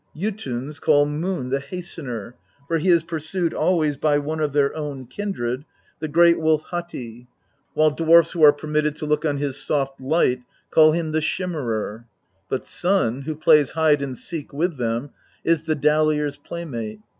Jotuns call Moon the Hastener, for he is pursued always by one of their own kindred, the great wolf Hati, while dwarfs who are permitted to look on his soft light call him the " Shimmerer ;" but Sun, who plays hide and seek with them, is the Dallier's playmate.